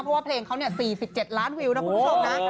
เพราะว่าเพลงเขา๔๗ล้านวิวนะคุณผู้ชมนะ